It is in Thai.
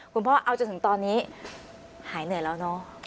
พ่อเอาจนถึงตอนนี้หายเหนื่อยแล้วเนอะ